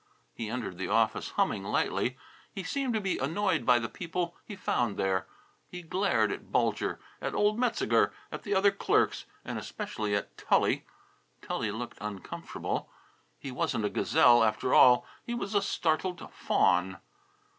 He entered the office, humming lightly. He seemed to be annoyed by the people he found there. He glared at Bulger, at old Metzeger, at the other clerks, and especially at Tully. Tully looked uncomfortable. He wasn't a gazelle after all. He was a startled fawn.